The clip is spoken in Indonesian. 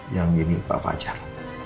yang ini pak fajar